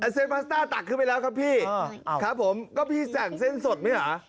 เส้นพาสต้าตักขึ้นไปแล้วครับพี่ครับผมก็พี่สั่งเส้นสดไหมเหรอ